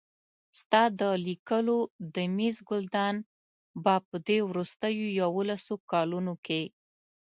ستا د لیکلو د مېز ګلدان به په دې وروستیو یوولسو کلونو کې.